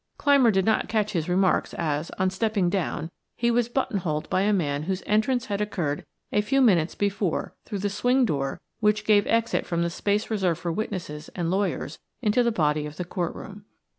Clymer did not catch his remarks as, on stepping down, he was button holed by a man whose entrance had occurred a few minutes before through the swing door which gave exit from the space reserved for witnesses and lawyers into the body of the court room.